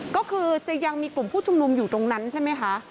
ก็คือจะยังมีกลุ่มผู้ชุมนุมอยู่ตรงนั้นใช่ไหมคะ